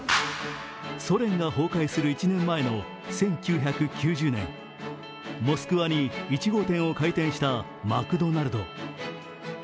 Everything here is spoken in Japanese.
ソ連が崩壊する１年前の１９９０年モスクワに１号店を開店したマクドナルド。